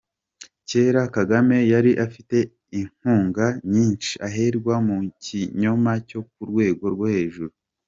Cyera Kagame yari afite inkunga nyinshi aherwa mu kinyoma cyo ku rwego rwo hejuru.